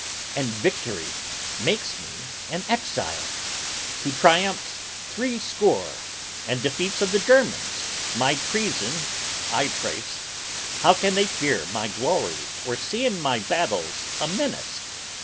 And Victory makes me an exile! To triumphs three score, and defeats of the Germans, my treason I trace! How can they fear my glory or see in my battles A menace?